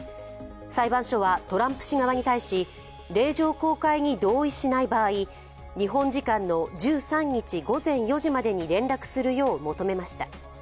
裁判所はトランプ氏側に対し令状公開に同意しない場合、日本時間の１３日午前４時までに連絡するよう求めました。